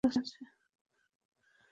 তাঁহাদের পরস্পরের বিদায়ের সময় কাছে আসিয়াছে।